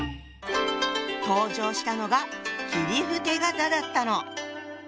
登場したのが切符手形だったの。